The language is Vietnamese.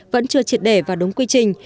vẫn chưa triệt để và đúng quy trình